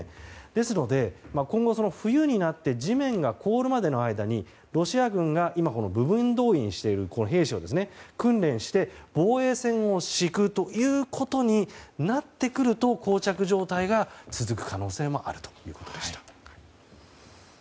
ですので今後、冬になって地面が凍るまでの間にロシア軍が今、部分動員している兵士を訓練して、防衛線を敷くということになってくると膠着状態が続く可能性もあるということでした。